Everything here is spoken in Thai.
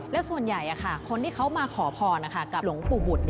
และส่วนใหญ่คนที่เขามาขอพรกับหลวงปู่บุตร